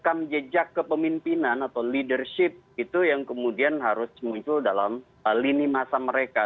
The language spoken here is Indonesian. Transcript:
rekam jejak kepemimpinan atau leadership itu yang kemudian harus muncul dalam lini masa mereka